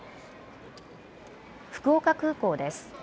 福岡空港です。